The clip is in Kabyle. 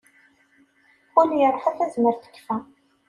Ul irḥa tazmert tekfa.